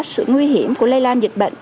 sự nguy hiểm của lây lan dịch bệnh